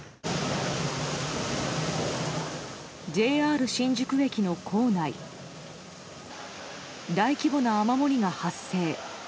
ＪＲ新宿駅の構内大規模な雨漏りが発生。